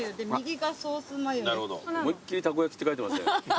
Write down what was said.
思いっ切り「たこやき」って書いてますね。